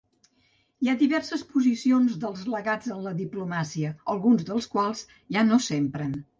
Hi ha diverses posicions dels legats en la diplomàcia, alguns dels quals ja no s'empren.